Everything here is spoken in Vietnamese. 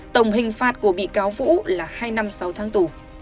tổng hình phạt của bị cáo vũ là hai năm sáu tháng tù